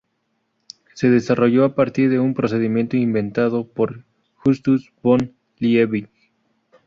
Se desarrolló a partir de un procedimiento inventado por Justus von Liebig.